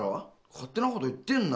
勝手なこと言ってんなよ！